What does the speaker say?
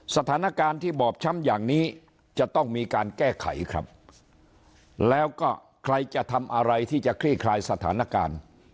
สถานการณ์ที่บอบช้ำอย่างนี้จะต้องมีการแก้ไขครับแล้วก็ใครจะทำอะไรที่จะคลี่คลายสถานการณ์